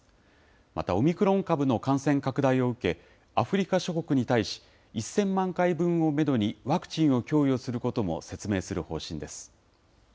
また、オミクロン株の感染拡大を受け、アフリカ諸国に対し、１０００万回分をメドに、ワクチンを供与することも説明する方針です。